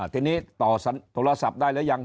ทุรศัพท์ได้หรือยัง